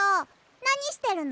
なにしてるの？